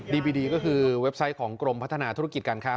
บีดีก็คือเว็บไซต์ของกรมพัฒนาธุรกิจการค้า